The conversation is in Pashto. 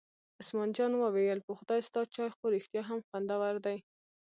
عثمان جان وویل: په خدای ستا چای خو رښتیا هم خوندور دی.